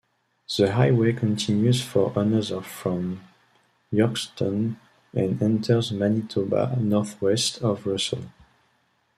The highway continues for another from Yorkton and enters Manitoba northwest of Russell.